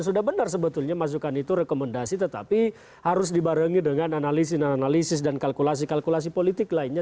sudah benar sebetulnya masukan itu rekomendasi tetapi harus dibarengi dengan analisis dan kalkulasi kalkulasi politik lainnya